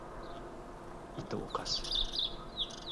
いとをかし